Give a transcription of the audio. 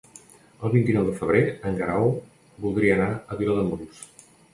El vint-i-nou de febrer en Guerau voldria anar a Vilademuls.